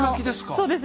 そうです